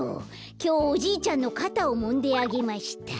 きょう「おじいちゃんのかたをもんであげました」。